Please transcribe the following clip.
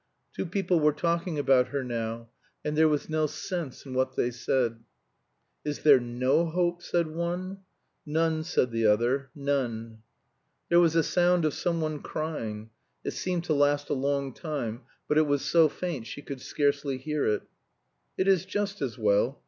Two people were talking about her now, and there was no sense in what they said. "Is there no hope?" said one. "None," said the other, "none." There was a sound of some one crying; it seemed to last a long time, but it was so faint she could scarcely hear it. "It is just as well.